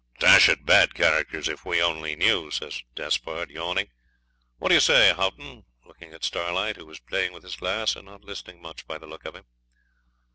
'Dashed bad characters, if we only knew,' says Despard, yawning. 'What do you say, Haughton?' looking at Starlight, who was playing with his glass and not listening much by the look of him.